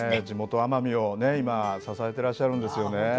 地元奄美をね今支えてらっしゃるんですよね。